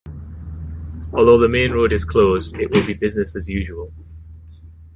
Although the main road is closed, it will be business as usual.